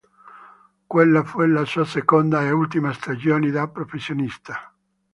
Quella fu la sua seconda e ultima stagione da professionista.